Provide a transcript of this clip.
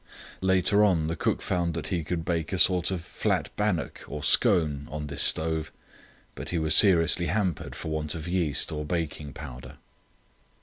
Later on the cook found that he could bake a sort of flat bannock or scone on this stove, but he was seriously hampered for want of yeast or baking powder.